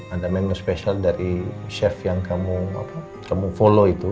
ada menu spesial dari chef yang kamu follow itu